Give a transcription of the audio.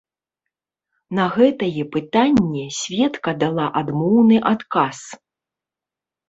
На гэтае пытанне сведка дала адмоўны адказ.